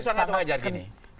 itu sangat mengajarkan